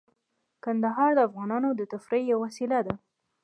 کندهار د افغانانو د تفریح یوه وسیله ده.